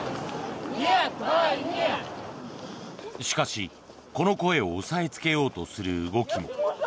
しかし、この声を抑えつけようとする動きも。